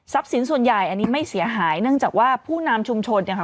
สินส่วนใหญ่อันนี้ไม่เสียหายเนื่องจากว่าผู้นำชุมชนเนี่ยค่ะ